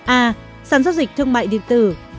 a sản xuất dịch thương mại điện tử